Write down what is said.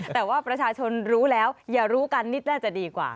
แต่ว่าประชาชนรู้แล้วอย่ารู้กันนิดน่าจะดีกว่า